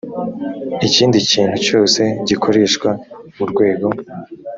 ikindi kintu cyose gikoreshwa mu rwego